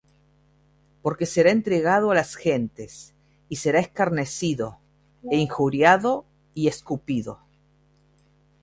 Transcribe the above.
Porque será entregado á las gentes, y será escarnecido, é injuriado, y escupido.